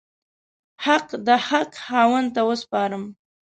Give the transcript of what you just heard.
حق د حق خاوند ته وسپارم.